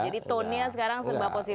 jadi tonnya sekarang serba positif